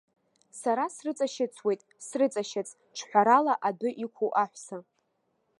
Сара срыҵашьыцуеит, срыҵашьыц, ҿҳәарала адәы иқәу аҳәса.